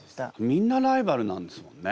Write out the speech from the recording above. みんなライバルなんですもんね。